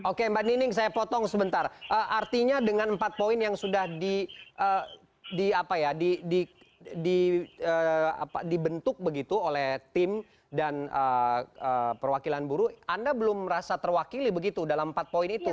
oke mbak nining saya potong sebentar artinya dengan empat poin yang sudah dibentuk begitu oleh tim dan perwakilan buruh anda belum merasa terwakili begitu dalam empat poin itu